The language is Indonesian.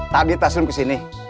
tadi taslim ke sini